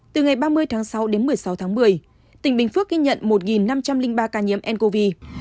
từ ngày ba mươi tháng sáu đến một mươi sáu tháng một mươi tỉnh bình phước ghi nhận một năm trăm linh ba ca nhiễm ncov